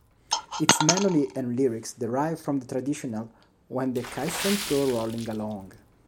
Its melody and lyrics derive from the traditional "When the Caissons Go Rolling Along".